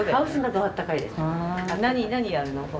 何何やるの？